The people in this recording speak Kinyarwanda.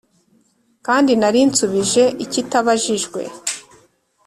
Kandi narinsubije icyitabajijwe